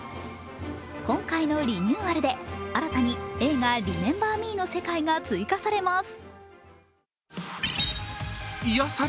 今回のリニューアルで新たに映画「リメンバー・ミー」の世界が追加されます。